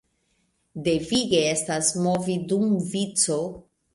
Devige estas movi dum vico.